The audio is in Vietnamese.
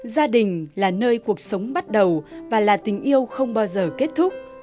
gia đình là nơi cuộc sống bắt đầu và là tình yêu không bao giờ kết thúc